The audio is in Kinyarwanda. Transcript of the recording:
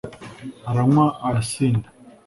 aranywa arasinda